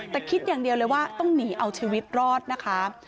แต่คิดอย่างเดียวเลยว่าต้องหนีเอาชีวิตรอดนะคะ